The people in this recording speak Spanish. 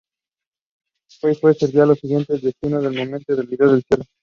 Fly Yeti servía a los siguientes destinos en el momento de su cierre.